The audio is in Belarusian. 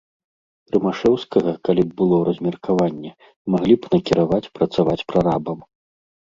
Рымашэўскага, калі б было размеркаванне, маглі б накіраваць працаваць прарабам.